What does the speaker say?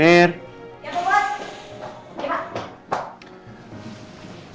ya bapak ya pak